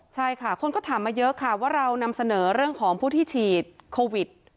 ใช่ค่ะคนก็ถามมาเยอะค่ะว่าเรานำเสนอเรื่องของผู้ที่ฉีดโควิด